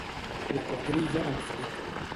La quadrilla d'en Felip.